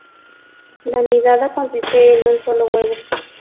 La nidada consiste en un solo huevo.